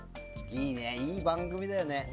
いいね、いい番組だよね。